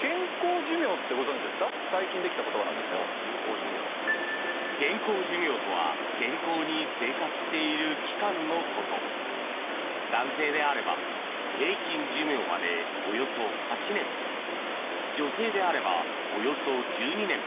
皆さんまず最近できた言葉なんですけど・健康寿命健康寿命とは健康に生活している期間のこと男性であれば平均寿命までおよそ８年女性であればおよそ１２年